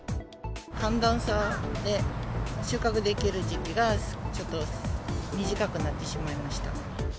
寒暖差で、収穫できる時期がちょっと短くなってしまいました。